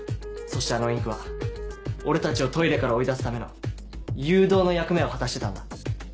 そしてあのインクは俺たちをトイレから追い出すための誘導の役目を果たしてたんだ。